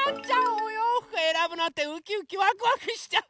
おようふくえらぶのってウキウキワクワクしちゃう！